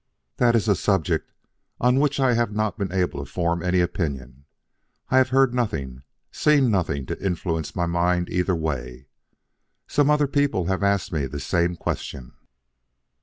"That is a subject upon which I have not been able to form any opinion. I have heard nothing, seen nothing to influence my mind either way. Some other people have asked me this same question.